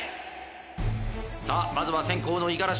さあまずは先攻の五十嵐圭。